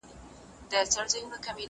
سوسیالیزم غواړي هر څه د حکومت وي.